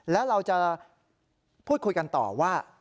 แล้วเราจะพูดคุยกันต่อว่า